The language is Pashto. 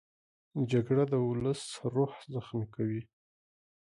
جګړه د ولس روح زخمي کوي